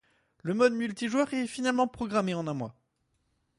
Le mode multijoueur est finalement programmé en un mois.